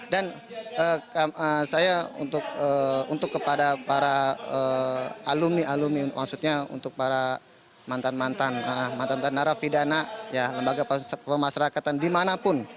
dan saya untuk kepada para alumni alumni maksudnya untuk para mantan mantan narafidana lembaga pemasrakatan dimanapun